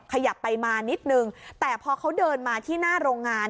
ขยับไปมานิดนึงแต่พอเขาเดินมาที่หน้าโรงงาน